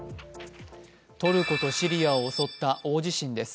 トルコとシリアを襲った大地震です。